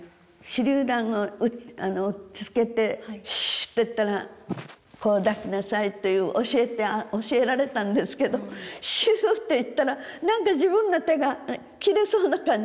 「手りゅう弾を打ちつけてシュッていったらこう抱きなさい」って教えられたんですけどシュッていったら何か自分の手が切れそうな感じ。